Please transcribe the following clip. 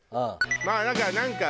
まあだからなんか。